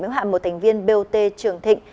yếu hạn một thành viên bot trường thịnh